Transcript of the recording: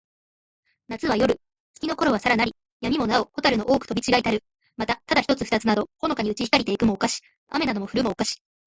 夏なつは、夜よる。月つきのころはさらなり。闇やみもなほ、蛍ほたるの多おほく飛とびちがひたる。また、ただ一ひとつ二ふたつなど、ほのかにうち光ひかりて行いくも、をかし。雨あめなど降ふるも、をかし。